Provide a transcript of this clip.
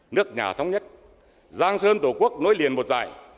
nước nhà thống nhất giang sơn tổ quốc nối liền một dài